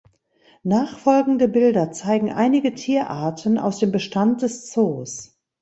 Nachfolgende Bilder zeigen einige Tierarten aus dem Bestand des Zoos.